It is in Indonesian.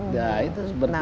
ya itu seperti itu